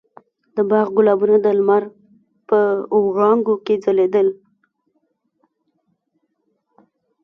د باغ ګلابونه د لمر په وړانګو کې ځلېدل.